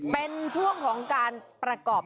เป็นช่วงของการประกอบ